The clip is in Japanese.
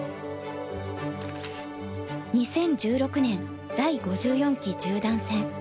２０１６年第５４期十段戦。